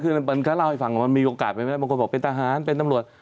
คือมันก็เล่าให้ฟังว่ามีโอกาสไปไหมบางคนบอกเป็นทหารเป็นตำรวจ